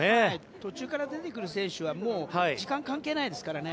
途中から出てくる選手は時間関係ないですからね。